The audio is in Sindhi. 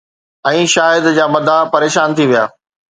۽ شاهد جا مداح پريشان ٿي ويا.